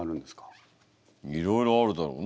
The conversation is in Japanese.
いろいろあるだろう。